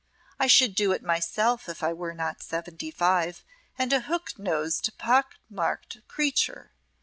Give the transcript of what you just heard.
I should do it myself if I were not seventy five and a hooked nosed pock marked creature.